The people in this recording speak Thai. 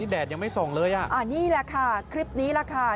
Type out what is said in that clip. แดดยังไม่ส่งเลยอ่ะอ่านี่แหละค่ะคลิปนี้แหละค่ะ